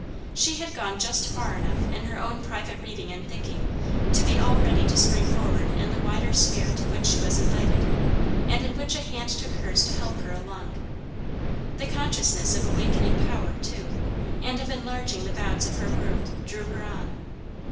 She had gone just far enough in her own private reading and thinking to be all ready to spring forward in the wider sphere to which she was invited, and in which a hand took hers to help her along. The consciousness of awakening power, too, and of enlarging the bounds of her world, drew her on.